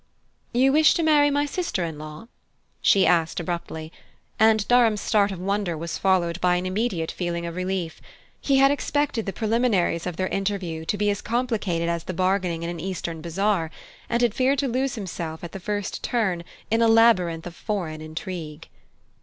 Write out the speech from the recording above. "You wish to marry my sister in law?" she asked abruptly; and Durham's start of wonder was followed by an immediate feeling of relief. He had expected the preliminaries of their interview to be as complicated as the bargaining in an Eastern bazaar, and had feared to lose himself at the first turn in a labyrinth of "foreign" intrigue.